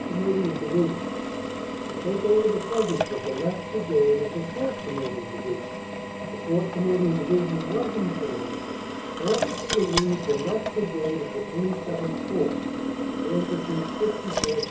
Canadian Division to take over the frontage of the left Brigade of the 4th. Canadian Division. The 4th. Cana dian Division was, in turn, ordered to relieve the left Brigade of the XXII Corps (51st.